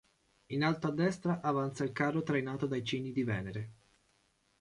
In alto a destra avanza il carro trainato dai cigni di Venere.